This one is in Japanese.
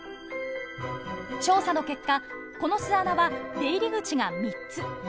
調査の結果この巣穴は出入り口が３つ。